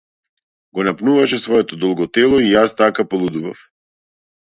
Го напнуваше своето долго тело и јас тука полудував.